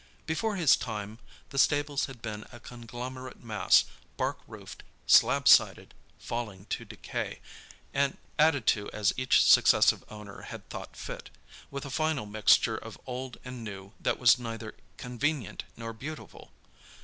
Before his time the stables had been a conglomerate mass, bark roofed, slab sided, falling to decay; added to as each successive owner had thought fit, with a final mixture of old and new that was neither convenient nor beautiful.